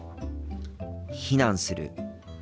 避難する。